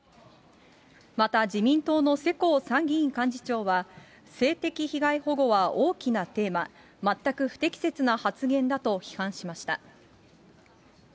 また自民党の世耕参議院幹事長は、性的被害保護は大きなテーマ。全く不適切な発言だと批判しました。